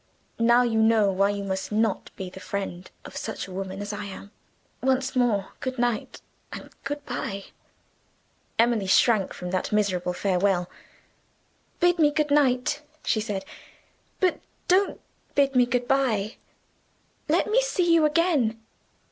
Now you know why you must not be the friend of such a woman as I am! Once more, good night and good by." Emily shrank from that miserable farewell. "Bid me good night," she said, "but don't bid me good by. Let me see you again."